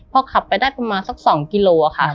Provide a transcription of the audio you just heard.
พอขับไปได้ประมาณสัก๒กิโลค่ะ